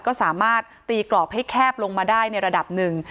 ก็สามารถตีกรอบให้แคบลงมาได้ในระดับหนึ่ง